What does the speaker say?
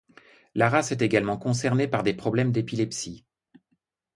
La race est également concernée par des problèmes d’épilepsie.